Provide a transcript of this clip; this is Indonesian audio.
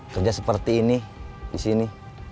kerja seperti ini di sini